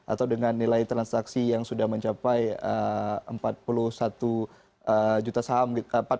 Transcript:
atau dengan nilai transaksi yang sudah mencapai empat puluh satu juta saham